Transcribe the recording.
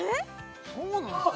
そうなんすか？